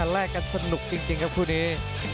แลกกันสนุกจริงครับคู่นี้